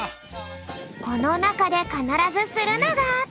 このなかでかならずするのが。